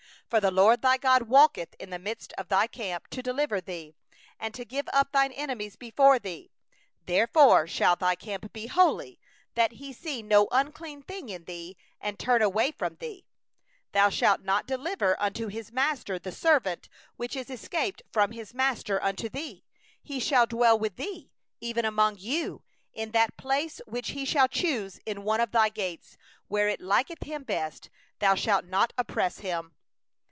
15For the LORD thy God walketh in the midst of thy camp, to deliver thee, and to give up thine enemies before thee; therefore shall thy camp be holy; that He see no unseemly thing in thee, and turn away from thee. 16Thou shalt not deliver unto his master a bondman that is escaped from his master unto thee; 17he shall dwell with thee, in the midst of thee, in the place which he shall choose within one of thy gates, where it liketh him best; thou shalt not wrong him.